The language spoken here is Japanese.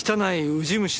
ウジ虫！